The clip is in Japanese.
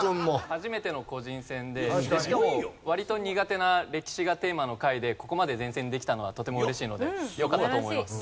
初めての個人戦でしかも割と苦手な歴史がテーマの回でここまで善戦できたのはとても嬉しいのでよかったと思います。